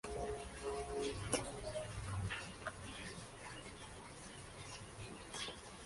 En cierto modo, se convierten en habituales.